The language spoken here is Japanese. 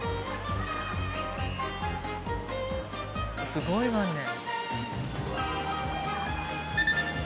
すごいわね。